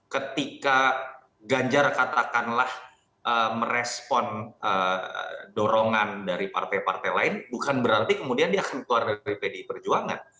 ketika ganjar katakanlah merespon dorongan dari partai partai lain bukan berarti kemudian dia akan keluar dari pdi perjuangan